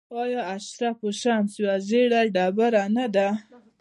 آیا شرف الشمس یوه ژیړه ډبره نه ده؟